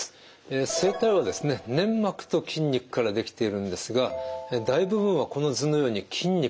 粘膜と筋肉から出来ているんですが大部分はこの図のように筋肉なんです。